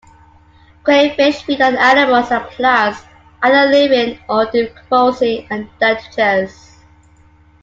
Crayfish feed on animals and plants, either living or decomposing, and detritus.